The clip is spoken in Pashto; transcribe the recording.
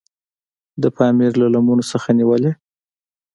د پامیر له لمنو څخه نیولې.